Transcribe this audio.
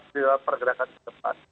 dalam pergerakan ke depan